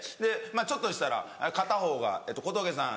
ちょっとしたら片方が「小峠さん